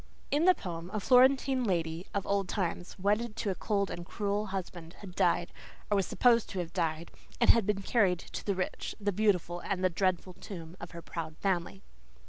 In the poem a Florentine lady of old time, wedded to a cold and cruel husband, had died, or was supposed to have died, and had been carried to "the rich, the beautiful, the dreadful tomb" of her proud family.